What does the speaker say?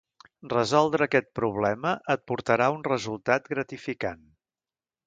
Resoldre aquest problema et portarà a un resultat gratificant